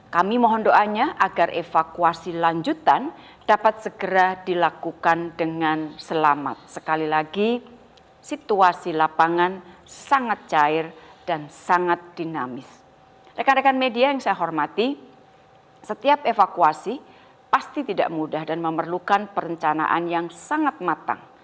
kami mohon doanya agar evakuasi lanjutan dapat segera dilakukan dengan selamat